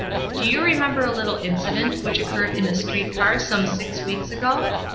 Do you remember a little incident which occurred in a streetcar some six weeks ago?